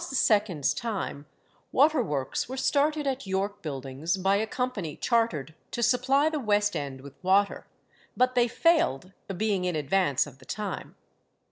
's time waterworks were started at York Buildings by a company chartered to supply the West end with water, but they failed, being in advance of the time.